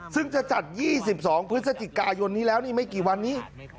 ซึ่งจะจัด๒๒พฤศจิกายนนี้แล้วนี่ไม่กี่วันนี้